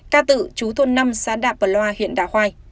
ca tự chú thôn năm xã đạp bờ loa huyện đạ hoai